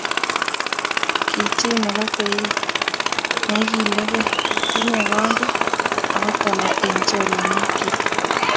Kichi nekosei it, neikilegei, tinyei kondit ako talaa eng choronokchi